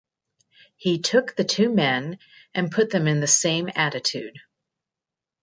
He took the two men, and put them in the same attitude.